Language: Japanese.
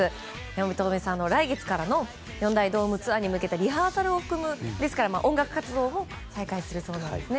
八乙女さんは来月からの四大ドームツアーに向けリハーサルを含めて音楽活動を再開するようです。